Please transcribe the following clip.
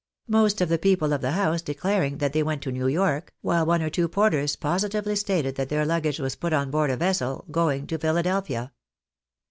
Most of the people of the house declaring that they went to New York, while one or two porters j)ositively stated that their luggage was put on board a vessel going to Philadelphia.